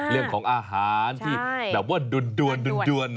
เรื่องของอาหารที่แบบว่าด้วน